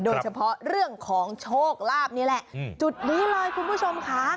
โดยเฉพาะเรื่องของโชคลาภนี่แหละจุดนี้เลยคุณผู้ชมค่ะ